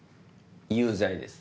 有罪です。